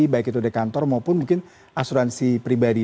baik itu dari kantor maupun mungkin asuransi pribadi